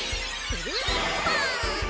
くるりんぱ。